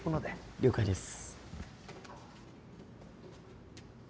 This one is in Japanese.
了解です。